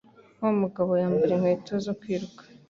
Wa mugabo yambara inkweto zo kwiruka.